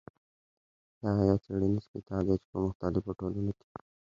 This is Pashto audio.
دغه يو څېړنيز کتاب دى چې په مختلفو ټولنو کې.